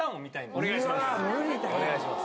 お願いします。